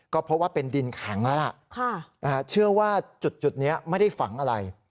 ก็เพราะว่าเป็นดินแข็งแล้วล่ะเชื่อว่าจุดนี้ไม่ได้ฝังอะไร